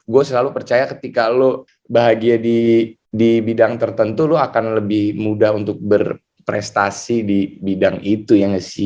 gue selalu percaya ketika lo bahagia di bidang tertentu lo akan lebih mudah untuk berprestasi di bidang itu ya